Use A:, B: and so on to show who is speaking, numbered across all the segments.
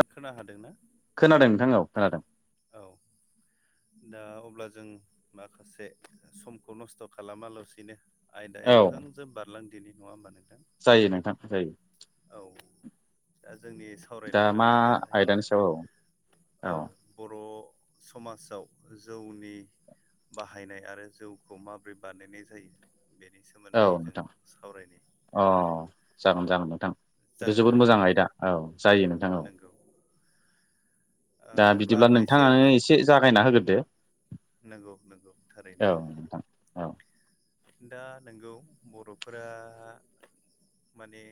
A: खोनानो हादोंना?
B: खोनादों नोंथां औ खोनादों
A: औ दा अब्ला जों माखासे समखौ नस्थ' खालामालासिनो आयदायाव
B: औ
A: थोंजों बारलां दिनि नङा होमबा नोंथां।
B: जायो नोंथां जायो।
A: औ दा जोंनि
B: दा
A: सावरायनो गोनां
B: मा
A: आयदायानो
B: आयदानि
A: जाहैबाय
B: सायाव
A: औ बर' समाजाव जौनि बाहायनाय आरो जौखौ माबोरै बानायनाय जायो। बेनि
B: औ
A: सोमोन्दै जों
B: नोंथां
A: सावरायनो
B: अ
A: नोंथां
B: जागोन जागोन नोंथां। बेथ'
A: जागोन ना
B: जोबोद मोजां आयदा औ जायो नोंथां औ।
A: नंगौ
B: दा
A: अब्ला
B: बिदिब्ला
A: आंनो एसे
B: नोंथाङानो एसे जागायना होग्रोदो
A: नंगौ नंगौ थारैनो
B: औ नोंथां औ
A: दा नोंगौ बर'फोरा माने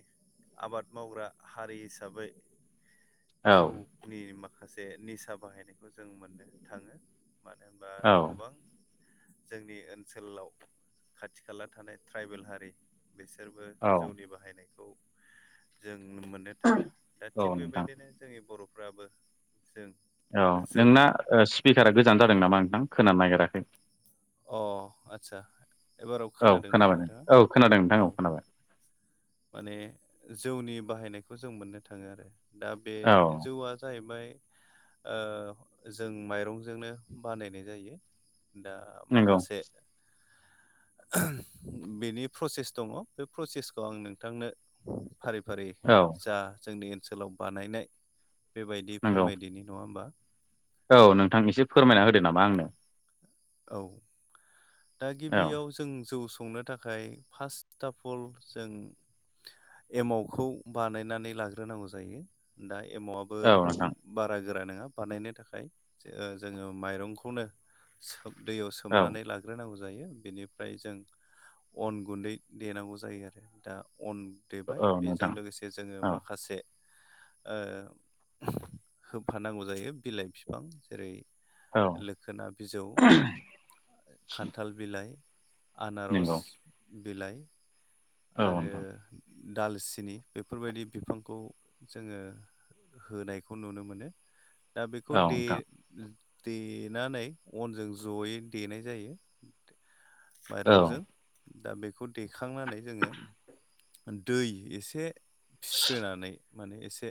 A: आबाद मावग्रा हारि हिसाबै
B: औ
A: जौनि माखासे निसा बाहायनायखौ जों मोननो थाङो मानो होनबा
B: औ
A: गोबां जोंनि ओनसोलाव खाथि खाला थानाय ट्राइबेल हारि बिसोरबो
B: औ
A: जौनि बाहायनाय मोननो थाङो दा
B: औ
A: थिग
B: नोंथां
A: बेबायदिनो जोंनि बर'फ्राबो जों
B: औ
A: जौ
B: नोंना स्पिकारा गोजान जादों नामा नोंथां खोनानो नागिराखै।
A: अ आतसा एबाराव
B: औ
A: खोनादोंना
B: खोनाबाय
A: नोंथाङा
B: औ खोनादों नोंथां
A: औ।
B: खोनाबाय
A: माने जौनि बाहायनायखौ जों मोननो थाङो आरो दा बे
B: औ
A: जौआ जाहैबाय ओमफ्राय ओ जों माइरंजोंनो बानायनाय जायो। दा
B: नंगौ
A: माखासे बेनि प्रसेस दङ बे प्रसेसखौ आं नों थांनो फारि फारि
B: औ
A: जा जोंनि ओनसोलाव बानायनाय बेबायदि
B: नंगौ
A: फोरमायदिनि नङा होमबा।
B: औ नोंथां एसे फोरमायना होदो नामा आंनो।
A: औ दा
B: औ
A: गिबियाव जों जौ संनो थाखाय फार्स्ट ट फल जों एमावखौ बानायनानै लाग्रोनांगौ जायो दा एमाव आबो
B: औ नोंथां
A: बारा गोरा नङा बानायनो थाखाय जोङो माइंखौनो सोम दै
B: औ
A: सोमनानै ला ग्रोनांगौ जायो बेनिफ्राय जों अन गुन्दै देनांगौ जायो आरो दा अन देबाय
B: औ
A: बेजों
B: नोंथां
A: लोगोसे जोङो
B: औ
A: माखासे ओ होफानांगौ जायो बिलाइ बिफां जेरै
B: औ
A: लोखोना बिजौ, खान्थाल बिलाइ, आनारस
B: नंगौ
A: बिलाइ
B: औ
A: आरो
B: नोंथां
A: दालसिनि बेफोरबायदि बिफांखौ जोङो होनायखौ नुनो मोनो दा बेखौ
B: औ
A: दे
B: नोंथां
A: देनानै अनजों जयै देनाय जायो।
B: औ
A: माइरंजों दा बेखौ देखांनानै जोङो दै एसे फिस्र्रिनानै माने एसे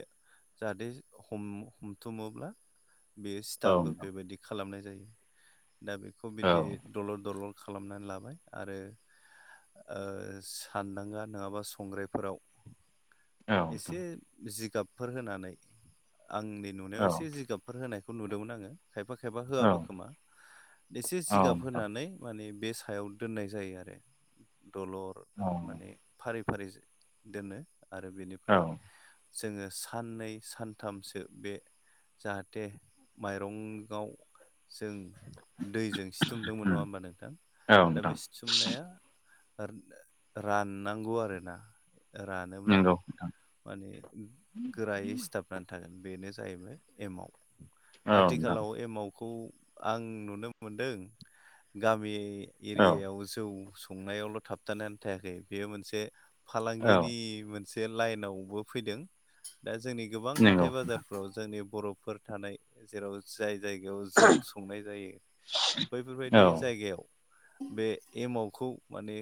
A: जाहाथे हम हमथुमोब्ला बेयो
B: औ
A: सि्टाबबो
B: नोंथां
A: बेबायदि खालामनाय जायो दा बेखौ बिदि दलर दलर खालामनानै लाबाय आरो ओ सो सानदांगा नङाबा संग्रायफोराव
B: औ नोंथां
A: एसे जि जिगाबफोर होनानै आंनि नुनायाव
B: औ
A: एसे जिगाबफोर होनायखौ नुदोंमोन आङो खायफा खायफा
B: औ
A: होआबो खोमा एसे
B: औ
A: जिगाब
B: नोंथां
A: होनानै माने बे सायाव दोननाय जायो आरो दलर
B: औ
A: माने फारि फारि दोनो आरो
B: औ
A: बेनिफ्राय जोङो साननै सानथामसो बे जाहाथे माइरंआव जों दैजों सिथुमदोंमोन नङा
B: उम
A: होमबा नोंथां
B: औ
A: दा बे
B: नोंथां
A: सिथुमनाया रा राननांगौ आरोना रानोब्ला
B: नंगौ
A: माने गोरायै सिथाबनानै थागोन बेनो जाहैबाय एमाव।
B: औ नोंथां
A: आथिखालाव एमावखौ आं नुनो मोनदों गामि
B: औ
A: एरियायाव जौ संनायावल' थाबथानायानानै थायाखै बेयो मोनसे
B: औ
A: फालांगिनि मोनसे लाइनावबो फैदों। दा जोंनि गोबां
B: नंगौ
A: हाथाय बाजारफोराव जोंनि बर'फोर थानाय जेराव जाय जायगायाव जौ संनाय जायो
B: औ
A: बैफोरबायदि जायगायाव बे एमावखौ माने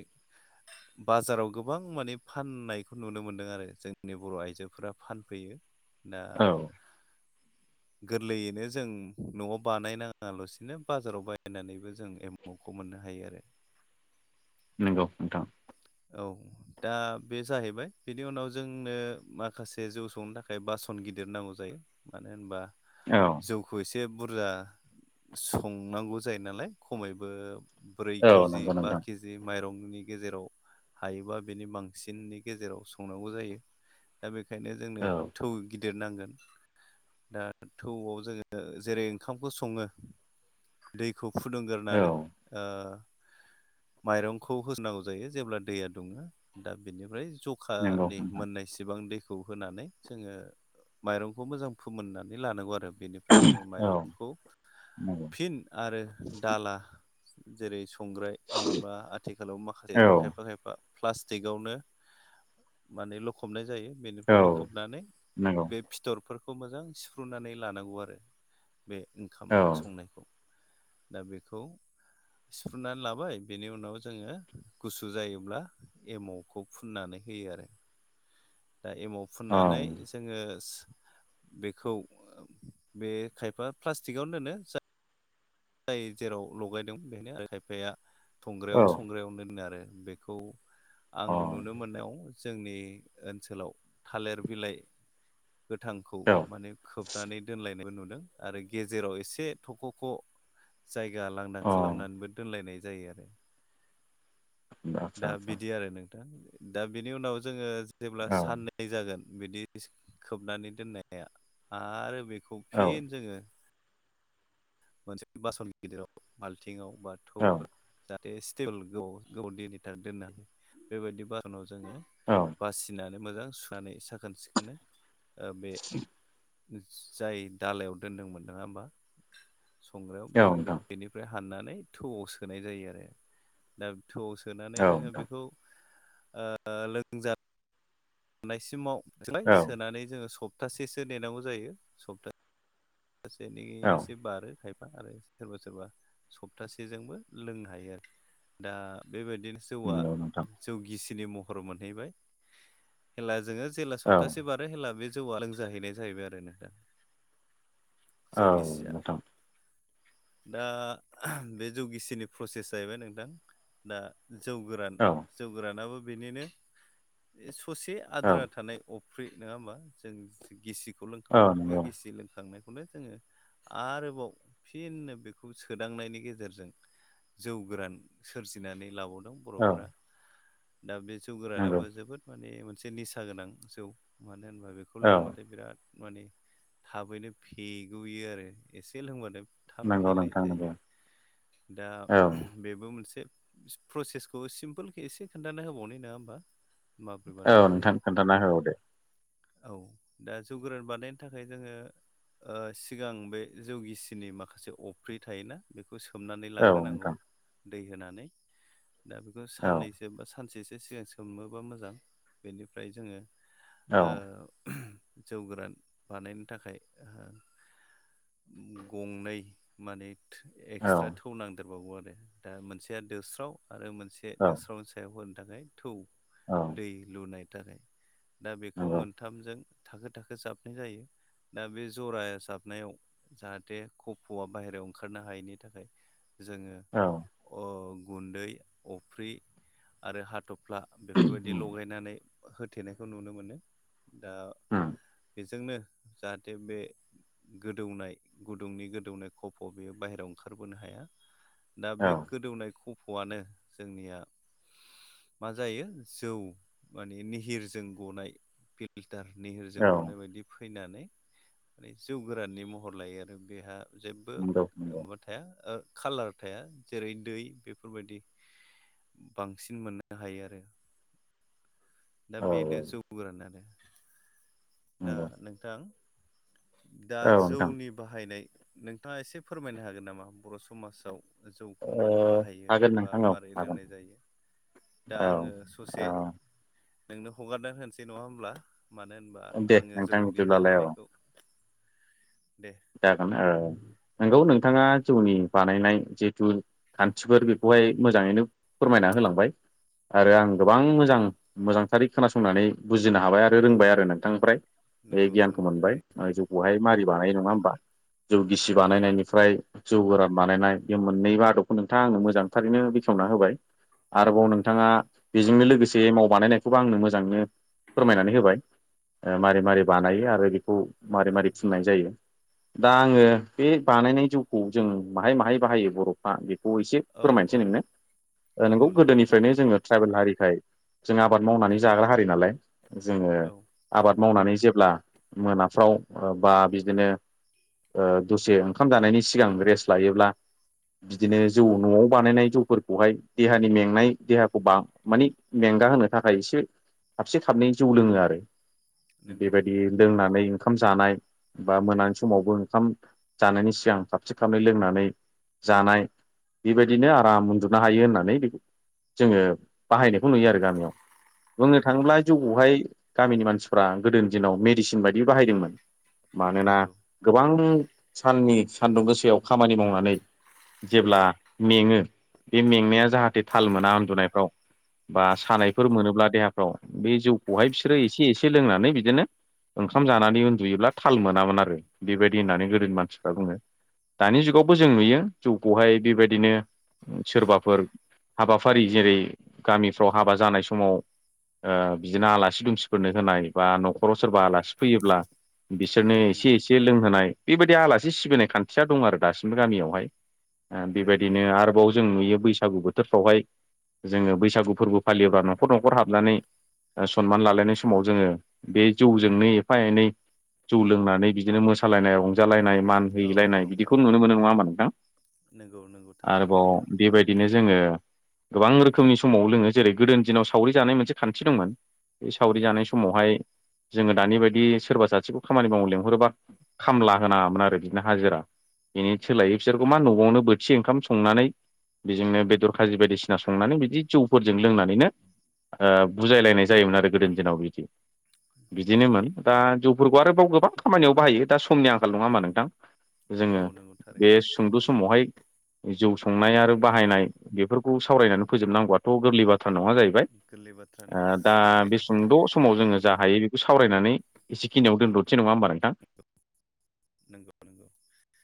A: बाजाराव गोबां माने फाननायखौ नुनो मोनदों आरो। जोंनि बर' आइजोफोरा फानफैयो दा
B: औ
A: गोरलैयैनो जों न'आव बानायनाङालासिनो बाजाराव बायनानैबो जों एमखौ मोननो हायो आरो।
B: नंगौ नोंथां।
A: औ दा बे जाहैबाय बेनि उनाव जोंनो माखासे जौ संनो थाखाय बासन गिदिर नांगौ जायो मानो होनबा
B: औ
A: जौखौ एसे एसे बुरजा संनांगौ जायो नालाय खमैबो ब्रै
B: औ
A: केजि
B: नंगौ
A: बा
B: नोंथां
A: केजि माइरं गेजेराव हायोबा बिनि बांसिननि गेजेराव संनांगौ जायो दा बे बेखायनो जोंनो
B: औ
A: थौ गिदिर नांगोन दा थौआव जोंङो जेरै ओंखामखौ संङो दै खौ
B: औ
A: फुदुंग्रोनानै ओ माइरंखौ होसोनांगौ जायो जेब्ला दैया दुंङो दा बिनिफ्राय
B: नंगौ
A: जखानि
B: नोंथां
A: मोननायसेबां दैखौ होनानै जोंङो माइरंखौ मोजां फोमोननानै लानांगौ आरो बेनिफ्राय जोंङो
B: औ
A: माइरंखौ
B: नंगौ
A: फिन आरो दाला जेरै संग्राय नंङाबा आथिखालाव माखासे
B: औ
A: खायफा खायफा प्लास्टिकआवनो माने लखबनाय जायो।
B: औ
A: बेनिफ्राय लखबनानै
B: नंगौ
A: बे फिथरफोरखौ मोजां सिफ्रुनानै लानांगौ आरो बे ओंखाम
B: औ
A: संनायखौ दा बेखौ सिफ्रुनानै लाबाय बेनि उनाव जोंङो गुसु जायोब्ला एमावखौ फुननानै होयो आरो दा एमाव
B: औ
A: फुननानै जोंङो बेखौ बे खायफा प्लास्टिकआवनो दोनो जा जाय जेराव लगायदोंमोन बेहायनो आरो खायफाया संग्रायावबो संग्रायावनो दोनो आरो बेखौ आं
B: औ
A: नुनो मोननायाव जोंनि ओनसोलाव थालिर बिलाइ गोथांखौ
B: औ
A: माने खोबनानै दोनलायनायबो नुदों आरो गेजेराव एसे थख' ख' जायगा लांदां
B: औ
A: खालामनानैबो दोनलायनाय जायो आरो।
B: आदसा
A: दा
B: आदसा
A: बिदि आरो नोंथां दा बिनि उनाव जोंङो जेब्ला
B: औ
A: साननै जागोन। बिदि खोबनानै दोननाया आरो बेखौ
B: औ
A: फिन जोंङो मोनसे बासन गिदिराव बाल्थिंआव बा
B: औ
A: थौफोर स्टिल दैनि दोननो हायो बेबायदि बासानाव जोंङो
B: औ
A: बासिनानै मोजां सुनानै साखोन सिखोनै ओ बे जाय दालायाव दोन्दोंमोन नंङा होमबा संग्रायाव
B: औ नोंथां
A: बेनिफ्राय फाननानै थौआव सोनाय जायो आरो दा थौआव सोनानै
B: औ
A: जोंङो
B: नोंथां
A: बेखौ औ लोंजा थानायसिमाव सोबाय
B: औ
A: सोनानै जोंङो सप्तासेसो नेनांगौ जायो सप्तासे सासे नों
B: औ
A: एसे बारो खायफा आरो सोरबा सोरबा सप्तासेजोंबो लोंनो हायो आरो दा बेबायदिनो जौआ
B: नंगौ नोंथां
A: जौ गिसिनि महर मोनहैबाय हेला जोंङो जेला
B: औ
A: सप्तासे बारो होनब्ला बे जौआ लोंजाहैनाय जाहैबाय आरो नोंथां। जौ
B: औ
A: गिसिया
B: नोंथां।
A: दा बे जौ गिसिनि प्रसेस जाहैबाय नोंथां दा जौ गोरान
B: औ
A: जौ गोरानाबो बेनिनो ससे
B: औ
A: आद्रा थानाय फ्रि नंङा होमबा जों गिसिखौ
B: औ
A: लोंखांबाय बे
B: नंगौ
A: गिसि थांनायखौनो जोङो आरोबाव फिनो बेखौ सोदांनायनि गेजेरजों जौ गोरान सोरजिनानै लाबावदों
B: औ
A: बर'फोरा दा बे जौ
B: नंगौ
A: गोरानाबो जोबोद माने मोन मोनसे निसा गोनां जौ मानो होनबा बेखौ
B: औ
A: लोंङबाथाय बिराद माने थाबैनो फेग'यो आरो एसे लोंबानो थाब
B: नंगौ
A: फैेलाय
B: नोंथां नंगौ
A: जायो दा
B: औ
A: बेबो मोनसे प्रसेसखौ सिम्पोल एसे खोन्था होबावनाय नंङा होमबा। माबोरै
B: औ
A: बानायनाय
B: नोंथां
A: जायो
B: खोन्थाना हौ दे।
A: औ दा जौ गोरान बानायनो थाखाय जोंङो ओ सिगां बे जौगिसिनि माखासे अफ्रि थायोना बेखौ सोमनानै
B: औ
A: लाग्रोनांगौ
B: नोंथां
A: दै होनानै दा बेखौ
B: औ
A: साननैसो बा सानसेसो एसे सिगां सोमोबा मोजां बेनिफ्राय जोङो
B: औ
A: ओ जौ गोरान बानायनो थाखाय ओ गंनै माने
B: औ
A: एक्सट्रा थौ नांदेरबावगौ आरो दा मोनसेया दोस्राव आरो मोनसे
B: औ
A: दोस्रावनि सायाव होनो थाखाय थौ
B: औ
A: दै लुनायनि थाखाय दा बेखौ
B: नंगौ
A: मोनथामजों थाखो थाखो जाबनाय जायो। दा बे जरा जाबनायाव जाहाथे खफुवआ बाहेरायाव ओंखारनो हायैनि थाखाय जोङो
B: औ
A: ओ गुन्दै अफ्रि आरो हाथब फ्ला बेफोरबायदि
B: उम
A: लगायनानै होथेनायखौ नुनो मोनो। दा
B: उम
A: बेजोंनो जाहाथे बे गोदौनाय गुदुंनि गोदौनाय खफ' बेयो बाहेरायाव ओंखारबोनो हाया। दा
B: औ
A: बे गोदौनाय खफ'आनो जोंनिया मा जायो जौ माने निहिरजों गनाय फिल्टार निहिर
B: औ
A: गनाय बायदि फैनानै माने जौ गोराननि महर लायो आरो। बेहा जेबो
B: नंगौ नंगौ
A: माबा थाया खाालार थाया जेरै दै बेफोरबायदि बांसिन मोननो हायो आरो। दा
B: औ
A: बेनो जौ गोरान आरो। दा
B: नंगौ
A: नोंथां दा
B: औ नोंथां
A: जौनि बाहायनाय नोंथाङा एसे फोरमायनो हागोन नामा बर' समाजाव। जौखौ मानो
B: ओ
A: बाहायो
B: हागोन
A: बा
B: नोंथां औ
A: माबारै
B: हागोन
A: लोंनाय जायो। दा
B: औ
A: आङो ससे
B: औ
A: नोंनो हगारना होनोसै नङा होमब्ला मानो होनबा
B: दे
A: आङो
B: नोंथां
A: जौनि
B: बिदिब्लालाय औ
A: बानायनायखौ दे
B: जागोन ओ नंगौ नोंथाङा जौनि बानायनाय जिहेथु खान्थिफोर बेखौहाय मोजाङैनो फोरमायना होलांबाय आरो आं गोबां मोजां मोजांथारै खोनासंनानै बुजिनो हाबाय आरो
A: औ
B: रोंबाय आरो नोंथांनिफ्राय। बे
A: नंगौ
B: गियानखौ
A: नंगौ
B: मोनबाय
A: थारैनो
B: ओ जौखौहाय मारै बानायो नङा होमबा? बा जौ गिसि
A: औ
B: बानायनायनिफ्राय जौ गोरान बानायनाय बे मोननैबो आदबखौ नोंथाङा आंनो मोजांथारैनो बेखेवना होबाय। आरोबाव
A: नंगौ
B: नोंथाङा बेजोंनो लोगोसे एमाव बानायनायखौबो आंनो मोजाङैनो फोरमायनानै होबाय। ओ मारै मारै बानायो आरो बेखौ मारै
A: औ
B: मारै फुननाय जायो दा आङो बे बानायनाय जौखौ जों माहाय माहाय बाहायो बर'फ्रा बे खौ एसे
A: औ औ
B: फोरमायनोसै नोंनो। ओ
A: नंगौ
B: नोंगौ
A: नंगौ
B: गोदोनिफ्रायनो
A: थारैनो
B: जोङो ट्राइबेल हारिखाय जों आबाद मावनानै जाग्रा हारि नालाय जोङो
A: औ
B: आबाद मावनानै जे ब्ला मोनाफ्राव ओ बा बिदिनो ओ दसे ओंखाम जानायनि सिगां रेस्ट लायोब्ला बिदिनो
A: नंगौ
B: जौ न'आव बानायनाय जौफोरखौहाय देहानि मेंनाय देहाखौ बा मानि मेंगा होनो थाखाय एसे खाबसे खाबनै जौ लोङो आरो।
A: नंगौ
B: बेबायदि लोंनानै ओंखाम जानाय बा मोनानि समावबो ओंखाम जानायनि सिगां खाबसे खाबनै लोंनानै जानाय बेबायदिनो आराम उन्दुनो हायो होननानै बेखौ जोङो बाहायनाय खौ नुयो आरो गामियाव। बुंनो थाङोब्ला
A: नंगौ
B: जौखौहाय गामिनि मानसिफ्रा गोदोनि दिनाव मेडिसिन बायदि बाहायदोंमोन, मानोना
A: नंगौ
B: गोबां साननि सानदुं गोसायाव खामानि मावनानै जेब्ला मेङो बे मेंनाया जाहाथे थाल मोना उन्दुनायफ्राव बा सानायफोर मोनोब्ला देहाफ्राव बे जौखौहाय बिसोरो एसे एसे लोंनानै बिदिनो ओंखाम जानानै उन्दुयोब्ला थाल मोनामोन आरो, बेबायदि होननानै गोदोनि
A: नंगौ
B: मानसिफ्रा बुङो। दानि जुगावबो जों नुयो जौखौहाय बेबायदिनो ओ सोरबाफोर हाबाफारि जेरै गामिफ्राव हाबा जानाय समाव ओ बिदिनो आलासि दुमसिफोरनो होनाय बा न' खराव सोरबा
A: औ
B: आलासि फैयोब्ला बिसोरनो एसे
A: नंगौ
B: एसे हरनाय बेबायदि आलासि सिबिनाय खान्थिया दं आरो दासिमबो गामियावहाय। ओ
A: नंगौ
B: बेबायदिनो
A: नंगौ
B: आरोबाव जों नुयो बैसागु बोथोरफ्रावहाय जोङो बैसागु फोरबो फालियोब्ला न'खर न'खर हाबनानै ओ सनमान लालायनाय समाव जोङो बे जौजोंनो एफा एनै जौ लोंनानै बिदिनो मोसालायनाय रंजालायनाय मान
A: औ औ
B: हैलायनाय बिदिखौ नुनो मोनो नङा होमा नोंथां?
A: नंगौ नंगौ थारैनो
B: आरोबाव
A: नोंथां
B: बेबायदिनो जोङो गोबां रोखोमनि समाव लोङो। जेरै गोदोनि दिनाव सावरि जानाय मोनसे खान्थि दंमोन, बे सावरि जानाय
A: नंगौ
B: समावहाय जोङो दानि बायदि सोरबा सासेखौ खामानि मावनो लेंहरोबा खामला होनाङामोन आरो बिदिनो हाजिरा बेनि सोलायै बिसोरखौ मा न'आवनो बोथिसे ओंखाम संनानै बेजोंनो बेदर खाजि बायदिसिना संनानै बिदि जौफोरजों लोंनानैनो ओ बुजायलायनाय जायोमोन आरो गोदोनि दिनाव बिदि।
A: नंगौ
B: बिदिनोमोन दा जौफोरखौ आरोबाव गोबां खामानियाव बाहायो दा समनि आंखाल नङा होमबा नोंथां?
A: औ
B: जोङो
A: नंगौ
B: बे
A: थारैनो
B: सुंद' समावहाय जौ संनाय आरो बाहायनाय बेफोरखौ सावरायनानै फोजोबनांगौआथ' गोरलै बा थ्रा नङा जाहैबाय।
A: गोरलै बाथ्रा नङा
B: ओ दा
A: नंगौ
B: बे
A: थारैनो
B: सुंद' समाव जोङो जा हायो बेखौ सावरायनानै एसेखिनियाव दोन्थ'नोसै नङा होमबा नोंथां?
A: नंगौ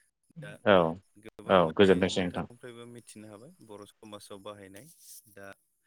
A: [inaudible] दा
B: औ
A: गोबां
B: औ
A: माने
B: गोजोनथोंसै नोंथां
A: नोंथांनिफ्रायबो मिथिनो हाबाय बर' समाजाव बाहायनाय दा